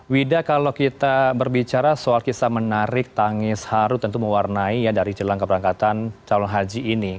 wida kalau kita berbicara soal kisah menarik tangis haru tentu mewarnai ya dari jelang keberangkatan calon haji ini